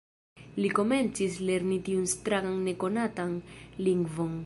Li komencis lerni tiun strangan nekonatan lingvon.